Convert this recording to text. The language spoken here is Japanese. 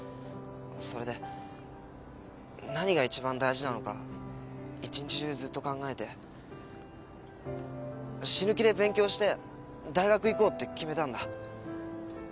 それで何がいちばん大事なのか一日中ずっと考えて死ぬ気で勉強して大学行こうって決めたんだ。